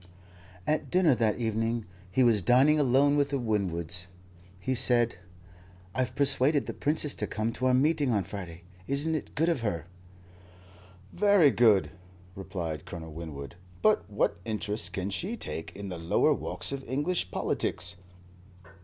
At dinner that evening he was dining alone with the Winwoods he said: "I've persuaded the Princess to come to our meeting on Friday. Isn't it good of her?" "Very good," replied Colonel Winwood. "But what interest can she take in the lower walks of English politics?"